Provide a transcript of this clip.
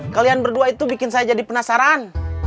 kalian berdua itu bikin saya jadi penasaran